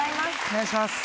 お願いします。